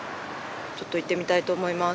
ちょっと行ってみたいと思います。